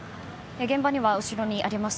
現場には後ろにあります